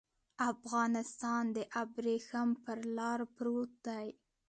افغانستان د ابريښم پر لار پروت دی.